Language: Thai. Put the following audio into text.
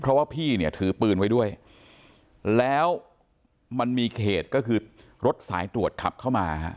เพราะว่าพี่เนี่ยถือปืนไว้ด้วยแล้วมันมีเขตก็คือรถสายตรวจขับเข้ามาฮะ